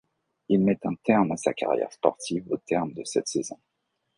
Il met un terme à sa carrière sportive au terme de cette saison.